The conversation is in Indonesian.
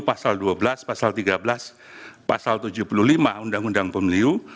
pasal dua belas pasal tiga belas pasal tujuh puluh lima undang undang pemilu